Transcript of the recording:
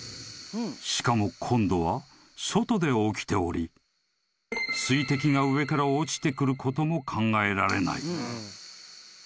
［しかも今度は外で起きており水滴が上から落ちてくることも考えられない］